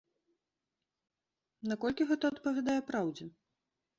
Наколькі гэта адпавядае праўдзе?